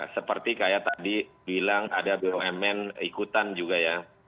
seperti kayak tadi bilang ada bumn ikutan juga ya